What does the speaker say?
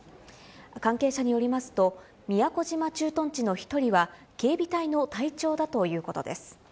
関係者によりますと、宮古島駐屯地の１人は警備隊の隊長だということです。